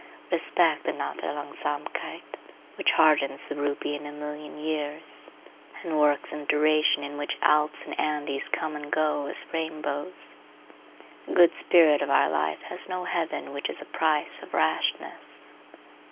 Respect the naturlangsamkeit which hardens the ruby in a million years, and works in duration in which Alps and Andes come and go as rainbows. The good spirit of our life has no heaven which is the price of rashness.